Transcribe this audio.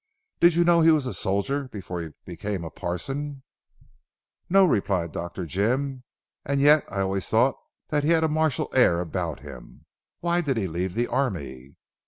Did you know he was a soldier before he became a parson?" "No," replied Dr. Jim, "and yet I always thought he had a martial air about him. Why did he leave the army?"